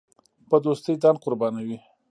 په دوستۍ ځان قربانوي.